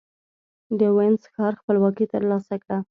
د وينز ښار خپلواکي ترلاسه کړه.